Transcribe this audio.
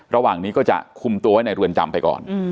ระหว่างนี้ก็จะคุมตัวไว้ในเรือนจำไปก่อน